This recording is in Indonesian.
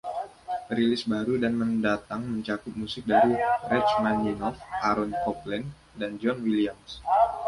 Rilis baru dan mendatang mencakup musik dari Rachmaninoff, Aaron Copland, dan John Williams.